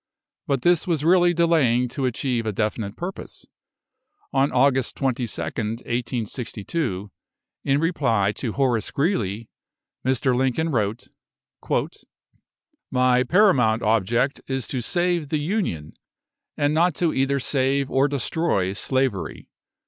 But this was really delaying to achieve a definite purpose. On August 22nd, 1862, in reply to Horace Greeley, Mr. Lincoln wrote: "My paramount object is to save the Union, and not to either save or destroy slavery.